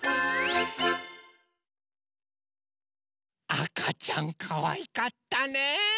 あかちゃんかわいかったね。